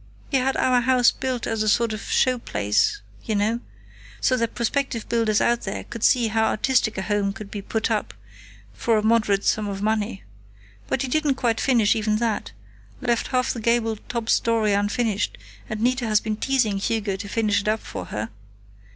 He had our house built as a sort of show place, you know, so that prospective builders out there could see how artistic a home could be put up for a moderate sum of money. But he didn't quite finish even that left half the gabled top story unfinished, and Nita has been teasing Hugo to finish it up for her.